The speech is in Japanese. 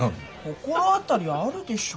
心当たりあるでしょ。